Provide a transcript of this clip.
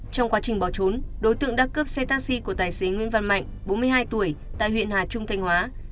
trong quá trình bỏ trốn đối tượng đã cướp xe taxi của tài xế nguyễn văn mạnh bốn mươi hai tuổi tại huyện hà trung thanh hóa